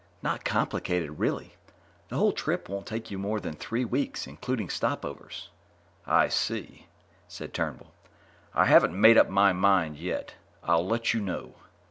Not complicated, really. The whole trip won't take you more than three weeks, including stopovers." "I see," said Turnbull. "I haven't made up my mind yet. I'll let you know."